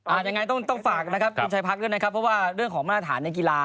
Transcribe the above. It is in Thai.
ยังไงต้องต้องฝากนะครับคุณชายพักด้วยนะครับเพราะว่าเรื่องของมาตรฐานในกีฬา